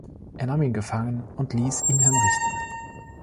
Er nahm ihn gefangen und ließ ihn hinrichten.